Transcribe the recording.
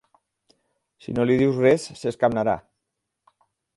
Si no li'n dius res, s'escamnarà.